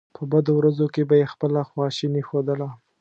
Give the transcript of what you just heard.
په بدو ورځو کې به یې خپله خواشیني ښودله.